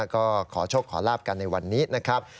ก็ขอโชคขอลาบกันในวันนี้นะครับ